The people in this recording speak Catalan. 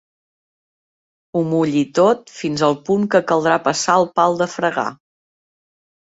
Ho mulli tot, fins al punt que caldrà passar el pal de fregar.